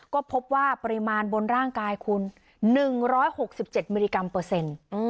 ก็พบว่าปริมาณบนร่างกายคุณ๑๖๗มิลลิกรัมเปอร์เซ็นต์